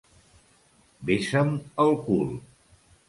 Besa'm el cul!